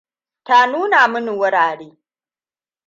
Ta nuna mini wurare.